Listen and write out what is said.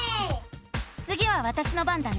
つぎはわたしの番だね。